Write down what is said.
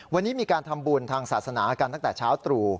วันนี้มีการทำบุญทางศาสนากันตั้งแต่เช้าตรู่